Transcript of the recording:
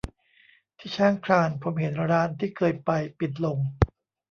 ที่ช้างคลานผมเห็นร้านที่เคยไปปิดลง